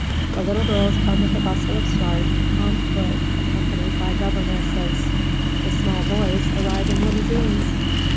The little girls come with a bustle of starch, on foot, accompanied by governesses; the small boys arrive in limousines.